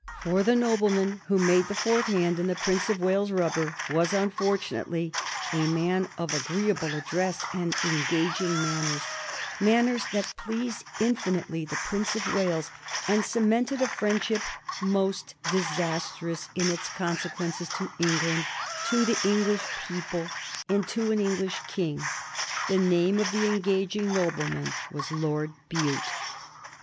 For the nobleman who made the fourth hand in the Prince of Wales's rubber was unfortunately a man of agreeable address and engaging manners, manners that pleased infinitely the Prince of Wales, and cemented a friendship most disastrous in its consequences to England, to the English people, and to an English king. The name of the engaging nobleman was Lord Bute.